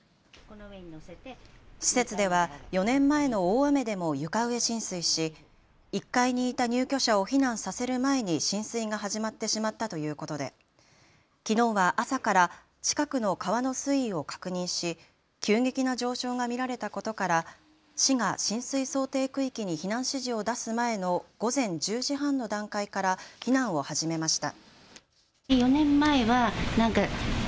施設では４年前の大雨でも床上浸水し１階にいた入居者を避難させる前に浸水が始まってしまったということできのうは朝から近くの川の水位を確認し急激な上昇が見られたことから市が浸水想定区域に避難指示を出す前の午前１０時半の段階から避難を始めました。